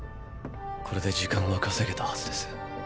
これで時間は稼げたはずです。